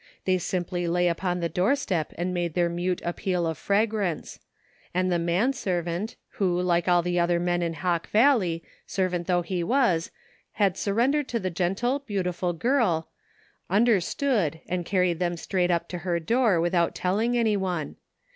They simply lay upon the doorstep and made their mute appeal of fragrance; and the man servant, who, like all the other men in Hawk Valley, servant though he was, had surrendered to the gentle, beautiful girl, understood and carried them straight up to her door without telling anyone.